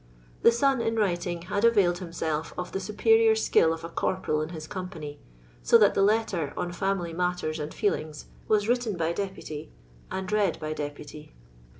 The son, in writing, had arailed himself of the superior skill of a corporal in his company, so that the letter, on fiimily matters and feelinn, was written by deputy and read by deputy.